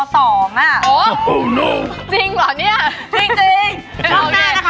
จริงหรอเนี่ย